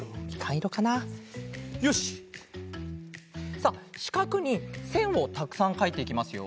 さあしかくにせんをたくさんかいていきますよ。